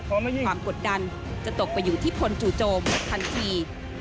ความกดดันจะตกไปอยู่ที่ผลจูจมทันที